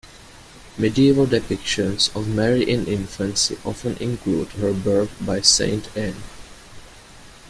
Medieval depictions of Mary in infancy often include her birth by Saint Anne.